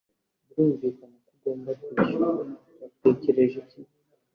Birumvikana ko ugomba kwishyura. Watekereje iki?